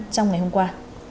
trong ngày hôm qua